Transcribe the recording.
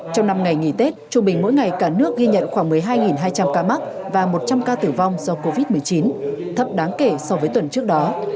trong năm ngày nghỉ tết trung bình mỗi ngày cả nước ghi nhận khoảng một mươi hai hai trăm linh ca mắc và một trăm linh ca tử vong do covid một mươi chín thấp đáng kể so với tuần trước đó